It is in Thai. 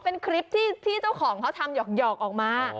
เป็นคลิปที่เจ้าของเขาทำหยอกออกมา